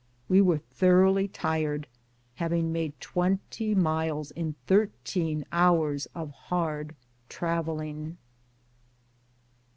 We were thoroughly tired, having made twenty miles in thirteen hours of hard traveling.